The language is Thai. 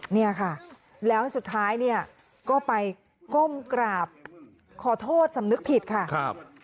เนี่ยค่ะแล้วสุดท้ายเนี่ยก็ไปก้มกราบขอโทษสำนึกผิดค่ะครับ